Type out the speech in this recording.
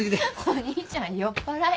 お兄ちゃん酔っ払い。